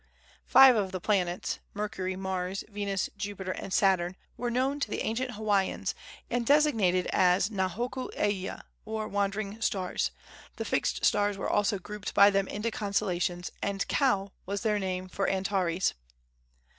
Five of the planets Mercury, Mars, Venus, Jupiter and Saturn were known to the ancient Hawaiians, and designated as na hoku aea, or wandering stars. The fixed stars were also grouped by them into constellations, and Kao was their name for Antares.